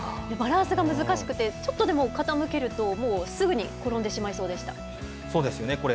バランスが難しくてちょっとでも傾けると、もうすぐに転んでしまそうですよね。